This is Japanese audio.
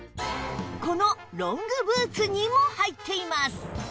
このロングブーツにも入っています